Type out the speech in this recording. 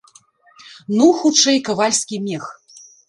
Ну, хутчэй, кавальскі мех.